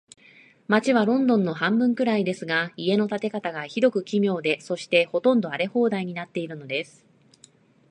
街はロンドンの半分くらいですが、家の建て方が、ひどく奇妙で、そして、ほとんど荒れ放題になっているのです。